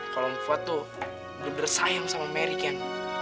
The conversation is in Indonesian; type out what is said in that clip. kalo om fuad tuh bener bener sayang sama meri ken